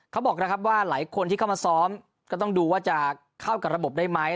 เขาบอกนะครับว่าหลายคนที่เข้ามาซ้อมก็ต้องดูว่าจะเข้ากับระบบได้ไหม